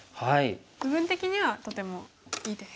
部分的にはとてもいい手です。